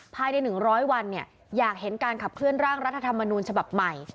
ภายในหนึ่งร้อยวันเนี่ยอยากเห็นการขับเคลื่อนร่างรัฐธรรมนูญฉบับใหม่